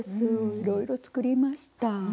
いろいろ作りました。